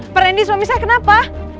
pak rendy suami saya kenapa